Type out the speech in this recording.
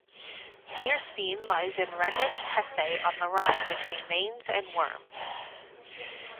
Nierstein lies in Rhenish Hesse on the Rhine between Mainz and Worms.